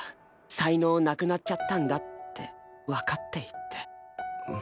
才能なくなっちゃったんだってわかっていって。